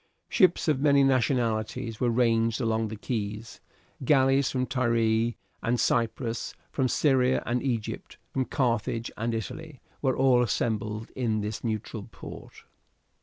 Ships of many nationalities were ranged along the quays. Galleys from Tyre and Cyprus, from Syria and Egypt, from Carthage and Italy, were all assembled in this neutral port.